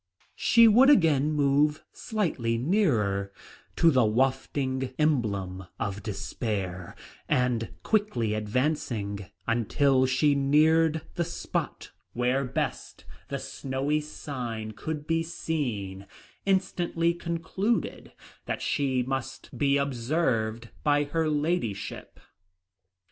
She would again move slightly nearer to the wafting emblem of despair, and quickly advancing, until she neared the spot where best the snowy sign could be seen, instantly concluded that she must be observed by her ladyship.